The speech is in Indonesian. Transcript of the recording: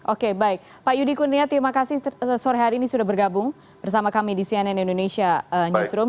oke baik pak yudi kunia terima kasih sore hari ini sudah bergabung bersama kami di cnn indonesia newsroom